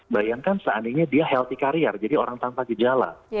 bayangkan seandainya dia healthy carrier jadi orang tanpa gejala